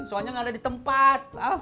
soalnya nggak ada di tempat